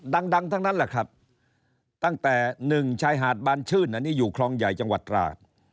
ดังทั้งนั้นแหละครับตั้งแต่๑ชายหาดบานชื่นอันนี้อยู่คลองใหญ่จังหวัดตราด